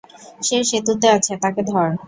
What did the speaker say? সে সেতুতে আছে, তাকে ধর!